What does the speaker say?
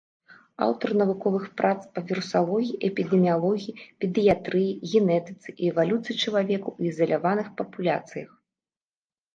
Аўтар навуковых прац па вірусалогіі, эпідэміялогіі, педыятрыі, генетыцы і эвалюцыі чалавека ў ізаляваных папуляцыях.